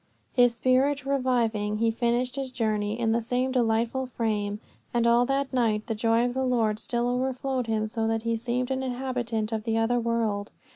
His spirit reviving, he finished his journey in the same delightful frame, and all that night the joy of the Lord still overflowed him so that he seemed an inhabitant of the other world.